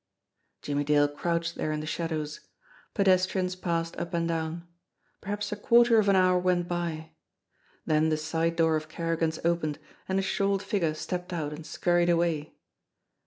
Jimmie Dale crouched there in the shadows. Pedestrians passed up and down. Perhaps a quarter of an hour went by. Then the side door of Kerrigan's opened, and a shawled figure stepped out and scurried away.